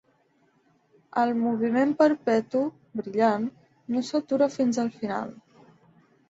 El moviment perpetu, brillant, no s'atura fins al final.